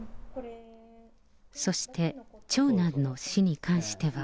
そして、長男の死に関しては。